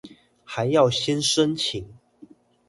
還要先申請